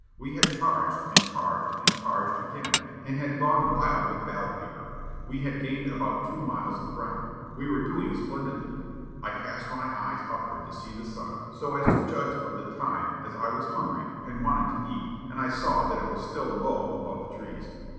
We had charged, and charged, and charged again, and had gone wild with battle fever. We had gained about two miles of ground. We were doing splendidly. I cast my eyes upward to see the sun, so as to judge of the time, as I was hungry, and wanted to eat, and I saw that it was still low above the trees.